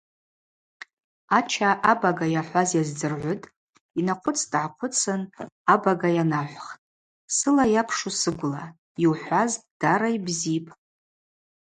Ача абага йахӏваз йаздзыргӏвытӏ, йнахъвыц-гӏахъвыцын абага йанахӏвхтӏ: – Сыла йапшу сыгвла, йухӏваз дара йбзипӏ.